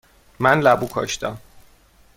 من لبو کاشتم.